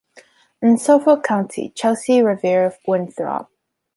In Suffolk County: Chelsea, Revere, Winthrop.